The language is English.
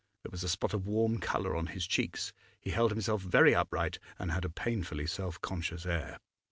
There was a spot of warm colour on his cheeks; he held himself very upright and had a painfully self conscious air.